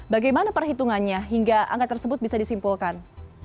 bagaimana perhitungannya hingga angka tersebut bisa disimpulkan